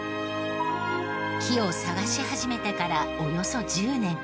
木を探し始めてからおよそ１０年。